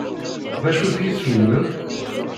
D acu-t yiswi-nnem?